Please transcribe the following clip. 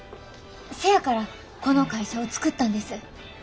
せやからこの会社を作ったんです。